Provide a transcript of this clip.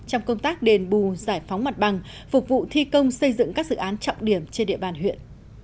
trong công tác đền bù giải phóng mặt bằng phục vụ thi công xây dựng các dự án trọng điểm trên địa bàn huyện